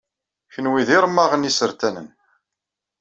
Kenwi d iremmaɣen isertanen.